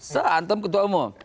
seantem ketua umum